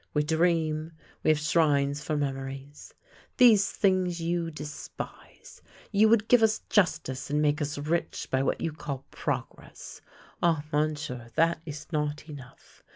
We dream, we have shrines for memories. These things you despise. You would give us justice and make us rich by what you call ' progress.' Ah, Monsieur, that is not enough.